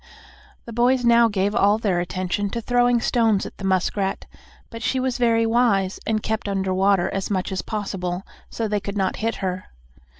The boys now gave all their attention to throwing stones at the muskrat, but she was very wise, and kept under water as much as possible, so they could not hit her.